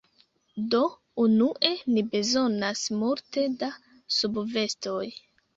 Do, unue ni bezonas multe da subvestoj